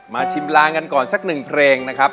ชิมลางกันก่อนสักหนึ่งเพลงนะครับ